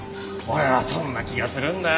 俺はそんな気がするんだ。